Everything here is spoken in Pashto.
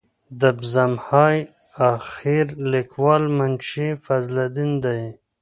د بزم های اخیر لیکوال منشي فضل الدین دی.